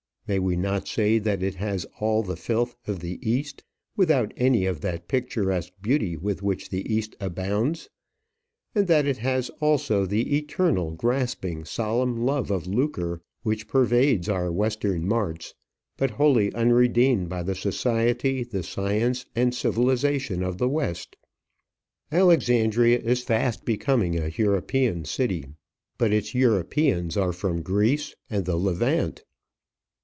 May we not say that it has all the filth of the East, without any of that picturesque beauty with which the East abounds; and that it has also the eternal, grasping, solemn love of lucre which pervades our western marts, but wholly unredeemed by the society, the science, and civilization of the West? Alexandria is fast becoming a European city; but its Europeans are from Greece and the Levant!